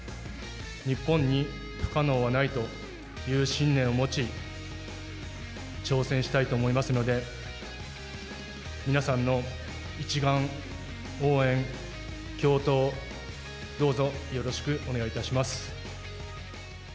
日本に不可能はないという信念を持ち、挑戦したいと思いますので、皆さんの一丸、応援、共闘、どうぞよろしくお願いいたします。